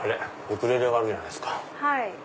ウクレレがあるじゃないですか。